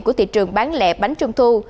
của thị trường bán lẹ bánh trung thu